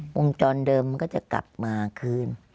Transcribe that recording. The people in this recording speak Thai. วงจรเดิมมันก็จะกลับมาคืน